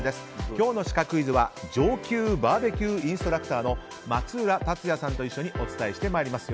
今日のシカクイズは上級バーベキューインストラクターの松浦達也さんと一緒にお伝えしてまいります。